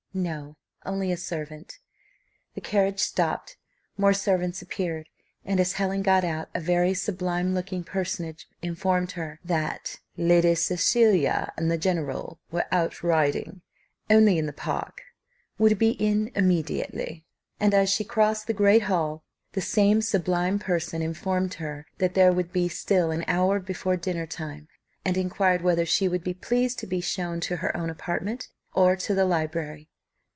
No; only a servant. The carriage stopped, more servants appeared, and as Helen got out, a very sublime looking personage informed her, that "Lady Cecilia and the General were out riding only in the park would be in immediately." And as she crossed the great hall, the same sublime person informed her that there would be still an hour before dinner time, and inquired whether she would be pleased to be shown to her own apartment, or to the library?